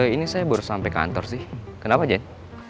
ini saya baru sampai kantor sih kenapa jack